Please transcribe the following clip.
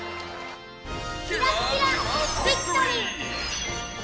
キラッキラビクトリー！